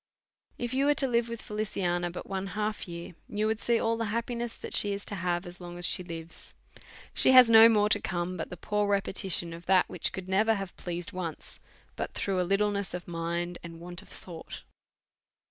If you was to live with Feliciana but one half year, you would see all the happiness that she is to have as long as she lives. She has no more to come, but the poor repetition of that which could never have pleas ed once, but through a littleness of mind, and want of thought.